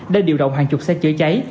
đã điều động hàng chục xe chữa cháy